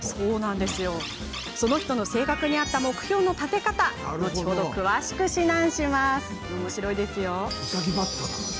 その人の性格に合った目標の立て方を詳しく指南します。